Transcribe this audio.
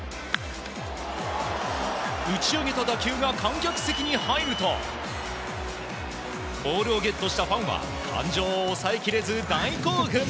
打ち上げた打球が観客席に入るとボールをゲットしたファンは感情を抑えきれず、大興奮！